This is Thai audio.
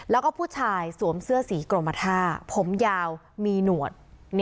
แล้วก็ผู้ชายสวมเสื้อสีกรมท่าผมยาวมีหนวด